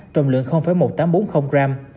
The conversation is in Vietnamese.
trồng lượng một nghìn tám trăm bốn mươi gram